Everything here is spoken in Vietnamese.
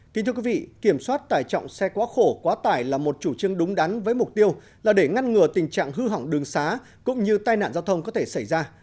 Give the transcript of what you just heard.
trong khi đó cuộc chiến chống xe quá khổ quá tải là một chủ trương đúng đắn với mục tiêu là để ngăn ngừa tình trạng hư hỏng đường xá cũng như tai nạn giao thông có thể xảy ra